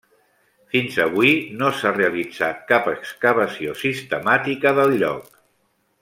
Fins avui no s'ha realitzat cap excavació sistemàtica del lloc.